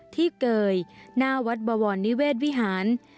เกยหน้าวัดบวรนิเวศวิหาร